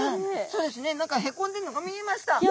そうですね何か凹んでるのが見えました。